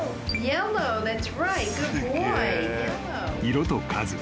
［色と数］